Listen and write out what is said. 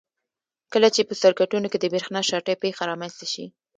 کله چې په سرکټونو کې د برېښنا شارټۍ پېښه رامنځته شي.